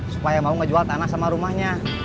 supaya mau ngejual tanah sama rumahnya